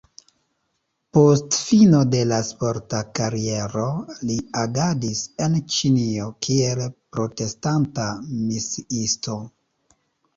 Post fino de la sporta kariero, li agadis en Ĉinio kiel protestanta misiisto.